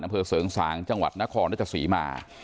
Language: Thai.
อำเภอเสริงสางจังหวัดนครรัชศรีมา